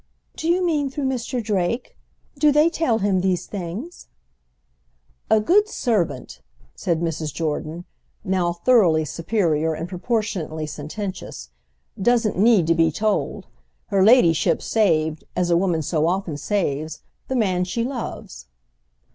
"Do you mean through Mr. Drake? Do they tell him these things?" "A good servant," said Mrs. Jordan, now thoroughly superior and proportionately sententious, "doesn't need to be told! Her ladyship saved—as a woman so often saves!—the man she loves."